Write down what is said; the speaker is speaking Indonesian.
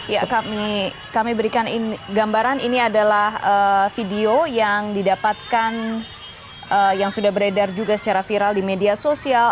ya kami berikan gambaran ini adalah video yang didapatkan yang sudah beredar juga secara viral di media sosial